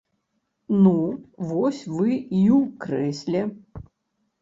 Ну, вось вы і ў крэсле.